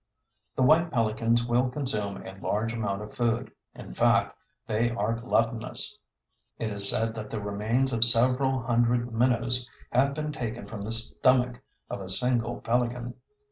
The White Pelicans will consume a large amount of food; in fact, they are gluttonous. It is said that the remains of several hundred minnows have been taken from the stomach of a single pelican.